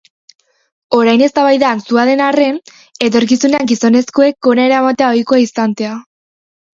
Orain eztabaida antzua den arren, etorkizunean gizonezkoek gona eramatea ohikoa izantea.